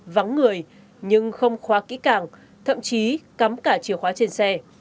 vắng người nhưng không khóa kỹ càng thậm chí cắm cả chìa khóa trên xe